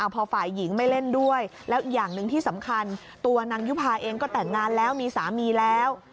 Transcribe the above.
พอฝ่ายหญิงไม่เล่นด้วยแล้วอย่างหนึ่งที่สำคัญตัวนางยุภาเองก็แต่งงานแล้วมีสามีแล้ว